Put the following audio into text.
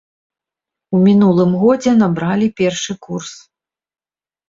У мінулым годзе набралі першы курс.